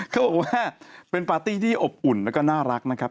เขาบอกว่าเป็นปาร์ตี้ที่อบอุ่นแล้วก็น่ารักนะครับ